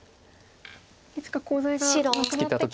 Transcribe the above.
いつかコウ材がなくなってきたら。